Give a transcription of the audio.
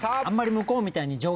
あんまり向こうみたいに。